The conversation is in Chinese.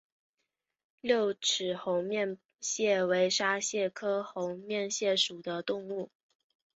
六齿猴面蟹为沙蟹科猴面蟹属的动物。